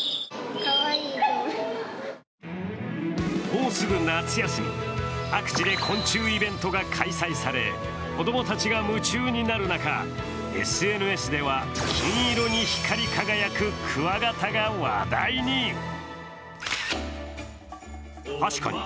もうすぐ夏休み、各地で昆虫イベントが開催され子供たちが夢中になる中、ＳＮＳでは金色に光り輝くクワガタが話題に。